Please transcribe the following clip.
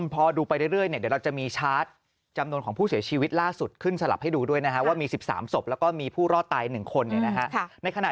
พอดูไปเรื่อยเดี๋ยวเราจะมีชาร์จจำนวนผู้เสียชีวิตล่าสุดขึ้นสลับให้ดูด้วยนะคะ